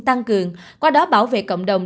tăng cường qua đó bảo vệ cộng đồng